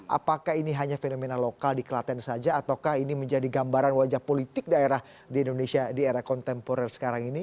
apakah ini hanya fenomena lokal di klaten saja ataukah ini menjadi gambaran wajah politik daerah di indonesia di era kontemporer sekarang ini